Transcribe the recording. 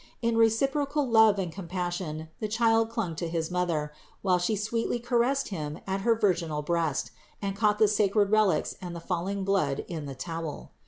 In reciprocal love and compassion the Child clung to his Mother, while She sweetly caressed Him at her virginal breast and caught the sacred relics and the falling blood in the towel.